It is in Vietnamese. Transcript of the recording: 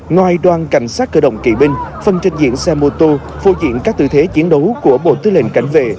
ngoài đoàn cảnh sát cơ động kỳ binh phân trình diễn xe ô tô phô diễn các tư thế chiến đấu của bộ tư lệnh cảnh vệ